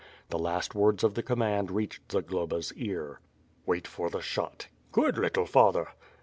The last words of the command reached Zagloba's ear. "Wait for the shot." "Good! little father!"